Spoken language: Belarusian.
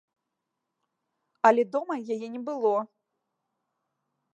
Але дома яе не было.